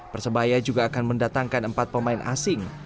persebaya juga akan mendatangkan empat pemain asing